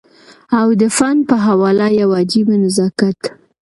او د فن په حواله يو عجيبه نزاکت